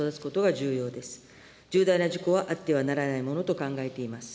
重大な事故はあってはならないものと考えています。